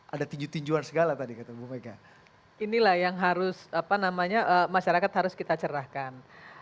ada tinjuan segala tadi ketemu dengan inilah yang harus apa namanya masyarakat harus kita cerahkan